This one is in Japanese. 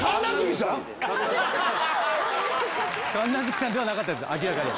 神奈月さんではなかったです明らかに。